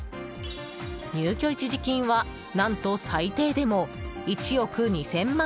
入居一時金は何と最低でも１億２０００万円。